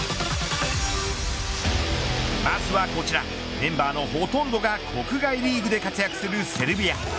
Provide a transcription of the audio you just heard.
まずはこちらメンバーのほとんどが国外リーグで活躍するセルビア。